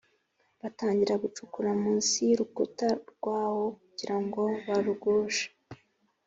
Batangira gucukura munsi y urukuta rwawo kugira ngo barugushe